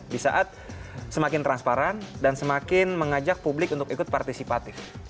di saat semakin transparan dan semakin mengajak publik untuk ikut partisipatif